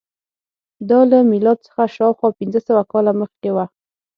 دا له میلاد څخه شاوخوا پنځه سوه کاله مخکې وه.